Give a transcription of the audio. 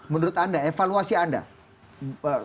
menurut anda evaluasi anda